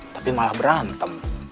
tapi malah berantem